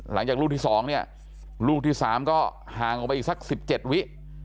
หลังจากลูกที่๒เนี่ยลูกที่๓ก็ห่างออกไปอีกสัก๑๗วิ